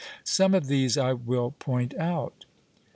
Some of these I will point out.